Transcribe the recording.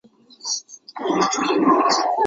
陆军机关驻地为兰州。